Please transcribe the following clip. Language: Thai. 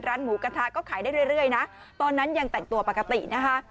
หมูกระทะก็ขายได้เรื่อยนะตอนนั้นยังแต่งตัวปกตินะคะ